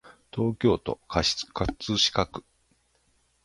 東京都葛飾区